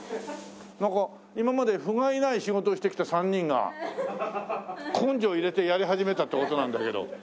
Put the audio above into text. なんか今まで不甲斐ない仕事をしてきた３人が根性入れてやり始めたって事なんだけど。